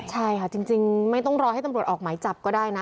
ใช่ค่ะจริงไม่ต้องรอให้ตำรวจออกหมายจับก็ได้นะ